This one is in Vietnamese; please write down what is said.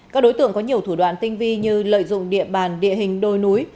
các đối tượng có nhiều thủ đoạn tinh vi như lợi dụng địa bàn địa hình đồi núi